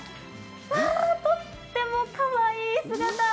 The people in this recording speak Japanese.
とってもかわいい姿。